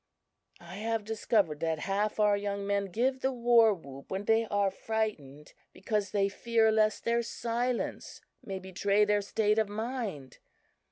I have discovered that half our young men give the war whoop when they are frightened, because they fear lest their silence may betray their state of mind.